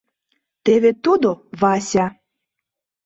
Теве тудо, Вася.